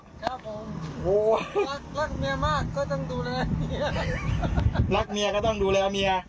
ครับผมโอ้โหรักรักเมียมากก็ต้องดูแลรักเมียก็ต้องดูแลเมีย